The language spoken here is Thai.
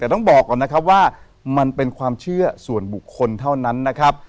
แต่ต้องบอกก่อนนะครับว่ามันเป็นความเชื่อส่วนบุคคลเท่านั้นนะครับ